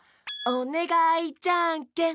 「おねがいじゃんけん」